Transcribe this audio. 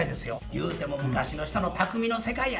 ゆうても昔の人のたくみの世界や。